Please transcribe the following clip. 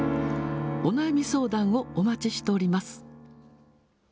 お悩み相談をお待ちしております。